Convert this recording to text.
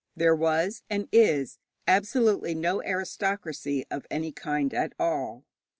There was, and is, absolutely no aristocracy of any kind at all.